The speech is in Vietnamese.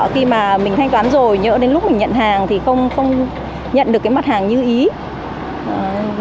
khi mà mình thanh toán rồi nhỡ đến lúc mình nhận hàng thì không nhận được cái mặt hàng như ý